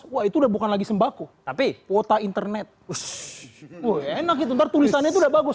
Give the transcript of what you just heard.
wah itu udah bukan lagi sembako tapi kuota internet us us enak itu tulisannya sudah bagus